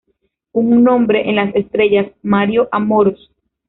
Un nombre en las estrellas Mario Amorós.